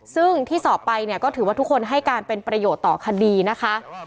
ซึ่งที่สอบไปเนี่ยก็ถือว่าทุกคนให้การเป็นประโยชน์ต่อคดีนะคะ